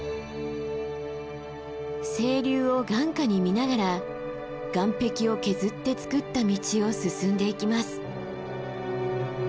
清流を眼下に見ながら岩壁を削って作った道を進んでいきます。